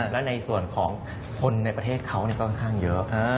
และในส่วนคนในประเทศเขาก็ค่อยเยอะ